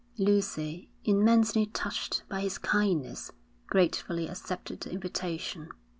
Lucy, immensely touched by his kindness, gratefully accepted the invitation.